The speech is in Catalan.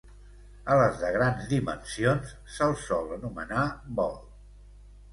A les de grans dimensions se'ls sol anomenar bol.